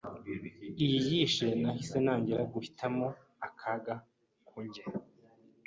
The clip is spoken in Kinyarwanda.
iyi yihishe. Nahise ntangira guhitamo akaga ko njye